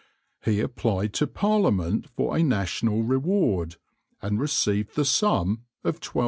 He applied to Parliament for a national reward, and received the sum of £1200.